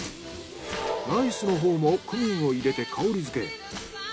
ライスのほうもクミンを入れて香りづけ。